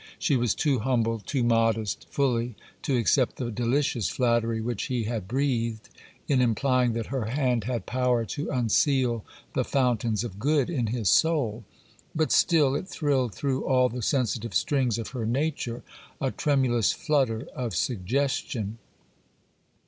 She was too humble, too modest, fully to accept the delicious flattery which he had breathed, in implying that her hand had power to unseal the fountains of good in his soul; but still it thrilled through all the sensitive strings of her nature, a tremulous flutter of suggestion.